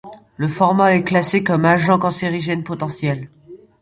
Le formol est classé comme agent cancérigène potentiel.